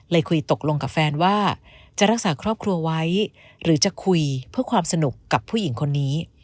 คุยตกลงกับแฟนว่าจะรักษาครอบครัวไว้หรือจะคุยเพื่อความสนุกกับผู้หญิงคนนี้